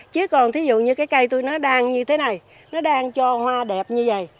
chứ còn thí dụ như cái cây tôi nó đang như thế này nó đang cho hoa đẹp như vậy